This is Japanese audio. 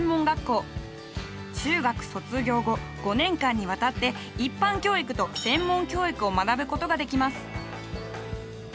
中学卒業後５年間にわたって一般教育と専門教育を学ぶことができます。